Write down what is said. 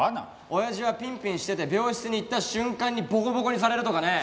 親父はピンピンしてて病室に行った瞬間にボコボコにされるとかね。